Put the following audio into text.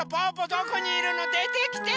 どこにいるの？でてきて！